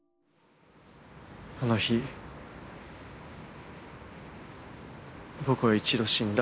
あの日僕は一度死んだ。